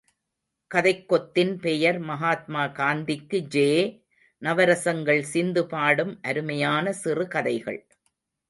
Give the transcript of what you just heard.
கதைக்கொத்தின் பெயர் மகாத்மா காந்திக்கு ஜே! – நவரசங்கள் சிந்துபாடும் அருமையான சிறு கதைகள்.